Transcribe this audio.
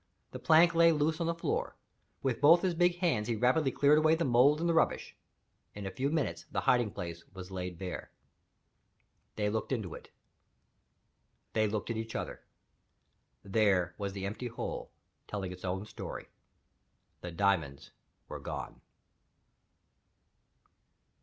The plank lay loose on the floor. With both his big hands he rapidly cleared away the mould and the rubbish. In a few minutes the hiding place was laid bare. They looked into it. They looked at each other. There was the empty hole, telling its own story. The diamonds were gone.